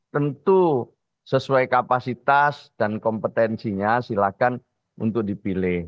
tentu sesuai kapasitas dan kompetensinya silahkan untuk dipilih